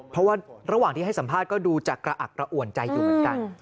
เพราะว่าระหว่างที่ให้สัมภาษณ์ก็ดูจะกระอักกระอ่วนใจอยู่เหมือนกัน